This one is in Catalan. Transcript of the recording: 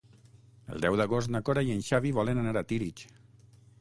El deu d'agost na Cora i en Xavi volen anar a Tírig.